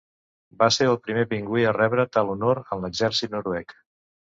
Va ser el primer pingüí a rebre tal honor en l'exèrcit noruec.